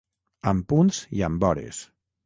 Amb punts i amb hores.